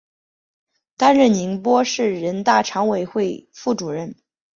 担任宁波市人大常委会副主任。